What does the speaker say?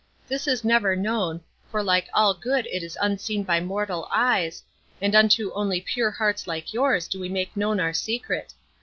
This is never known, for like all good it is unseen by mortal eyes, and unto only pure hearts like yours do we make known our secret.